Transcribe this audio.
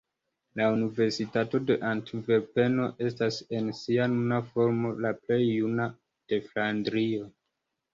La Universitato de Antverpeno estas en sia nuna formo la plej juna de Flandrio.